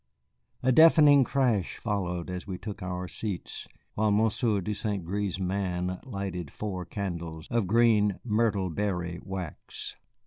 A deafening crash followed as we took our seats, while Monsieur de St. Gré's man lighted four candles of green myrtle berry wax.